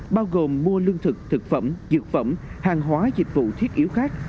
bao gồm mua lương thực thực phẩm dược phẩm hàng hóa dịch vụ thiết yếu khác